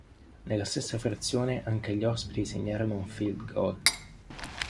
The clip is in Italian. Nella stessa frazione, anche gli ospiti segnarono un field goal.